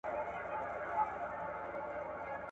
ایا ته غواړې چي له ما سره یو ځای درس ووایې؟